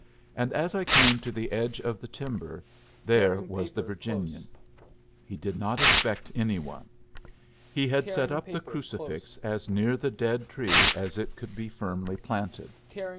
And as I came to the edge of the timber, there was the Virginian. He did not expect any one. He had set up the crucifix as near the dead tree as it could be firmly planted.